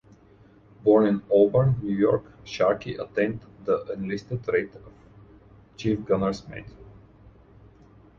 Born in Auburn, New York, Sharkey attained the enlisted rate of Chief Gunners Mate.